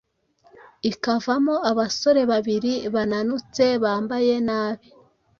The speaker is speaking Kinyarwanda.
ikavamo "abasore babiri bananutse bambaye nabi",